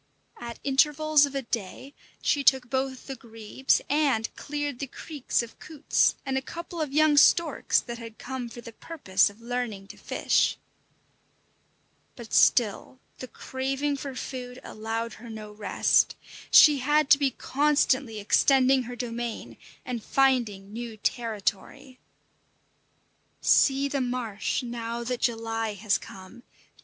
At intervals of a day she took both the grebes and cleared the creeks of coots and a couple of young storks that had come for the purpose of learning to fish. But still the craving for food allowed her no rest. She had to be constantly extending her domain and finding new territory. See the marsh now that July has come!